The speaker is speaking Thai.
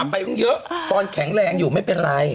ไปตั้งเยอะตอนแข็งแรงอยู่ไม่เป็นไร